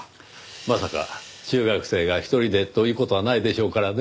まさか中学生が一人でという事はないでしょうからねぇ。